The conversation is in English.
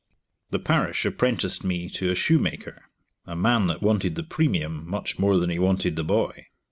The parish apprenticed me to a shoe maker, a man that wanted the premium much more than he wanted the boy.